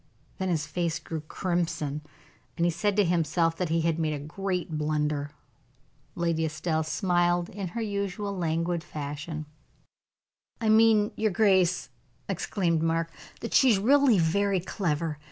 Then his face grew crimson, and he said to himself that he had made a great blunder. Lady Estelle smiled in her usual languid fashion. "I mean, your grace," exclaimed Mark, "that she is really very clever.